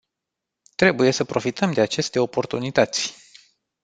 Trebuie să profităm de aceste oportunități!